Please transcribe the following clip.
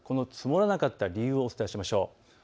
積もらなかった理由をお伝えしましょう。